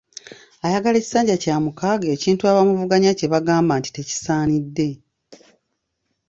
Ayagala ekisanja kya mukaaga, ekintu abamuvuganya kye bagamba nti tekisaanidde.